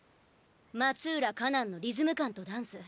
松浦果南のリズム感とダンス。